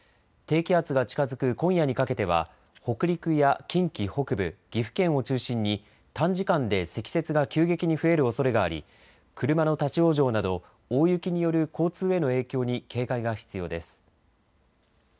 低気圧が近づく今夜にかけては北陸や近畿北部、岐阜県を中心に短時間で積雪が急激に増えるおそれがあり車の立往生など大雪による交通への影響に警戒が必要です。